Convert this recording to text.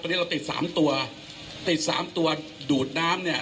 ตอนนี้เราติดสามตัวติดสามตัวดูดน้ำเนี่ย